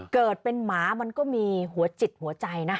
เกิดเป็นหมามันก็มีหัวจิตหัวใจนะคะ